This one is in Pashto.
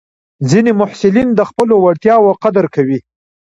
ځینې محصلین د خپلو وړتیاوو قدر کوي.